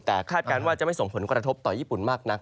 แต่คาดการณ์ว่าจะไม่ส่งผลกระทบต่อญี่ปุ่นมากนัก